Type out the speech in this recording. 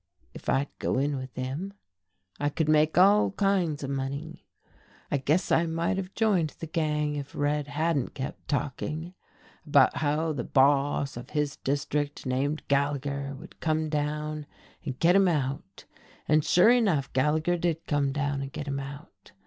If I'd go in with him, I could make all kinds of money. I guess I might have joined the gang if Red hadn't kept talking about how the boss of his district named Gallagher would come down and get him out, and sure enough Gallagher did come down and get him out.